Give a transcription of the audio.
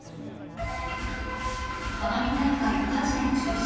花火大会、火事で中止。